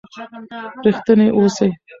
رښتیني اوسئ.